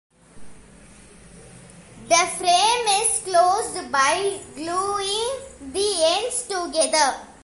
The frame is closed by gluing the ends together.